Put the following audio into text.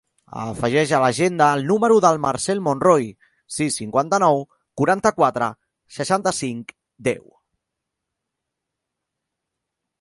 Afegeix a l'agenda el número del Marcèl Monroy: sis, cinquanta-nou, quaranta-quatre, seixanta-cinc, deu.